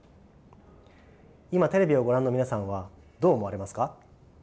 今テレビをご覧の皆さんはどう思われますか？